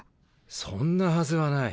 そんなはずはない。